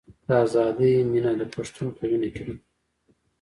د ازادۍ مینه د پښتون په وینه کې ده.